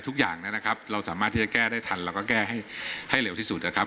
ทุกอย่างนะครับเราสามารถที่จะแก้ได้ทันเราก็แก้ให้เร็วที่สุดนะครับ